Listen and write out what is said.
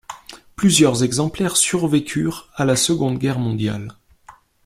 Plusieurs exemplaires survécurent à la Seconde Guerre mondiale.